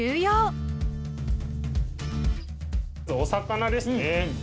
お魚ですね。